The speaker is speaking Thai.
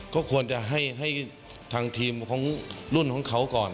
ก็ควรจะให้ทางทีมของรุ่นของเขาก่อน